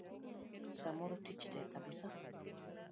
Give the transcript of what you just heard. Samoro tich tek kabisa.